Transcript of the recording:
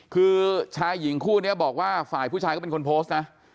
คือชายหญิงคู่นี้บอกว่าฝ่ายผู้ชายก็เป็นคนโพสต์นะ